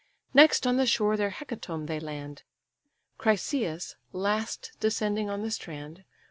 Next on the shore their hecatomb they land; Chryseïs last descending on the strand.